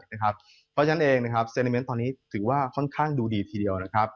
เพราะฉะนั้นเองนะครับเซนิเมนต์ตอนนี้ถือว่าค่อนข้างดูดีทีเดียวนะครับ